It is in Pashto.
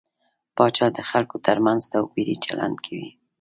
پاچا د خلکو تر منځ توپيري چلند کوي .